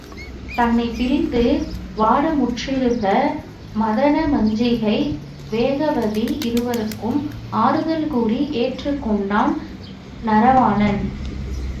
தன்னைப் பிரிந்து வாட்டமுற்றிருந்த மதனமஞ்சிகை, வேகவதி இருவருக்கும் ஆறுதல் கூறி ஏற்றுக் கொண்டான் நரவாணன்.